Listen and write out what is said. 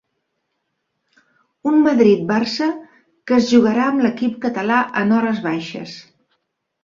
Un Madrid-Barça que es jugarà amb l'equip català en hores baixes